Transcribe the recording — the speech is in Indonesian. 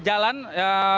jalan sebelum masuk underpass